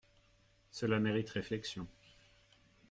Cela mérite réflexion.